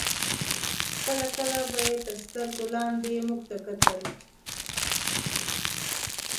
کله کله به یې تر سترګو لاندې موږ ته کتل.